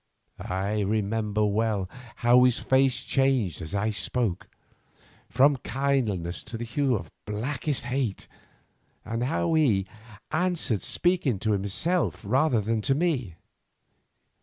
I remember well how his face changed as I spoke, from kindliness to the hue of blackest hate, and how he answered speaking to himself rather than to me.